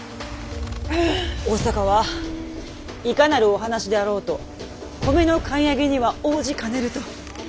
大坂はいかなるお話であろうと米の買い上げには応じかねると。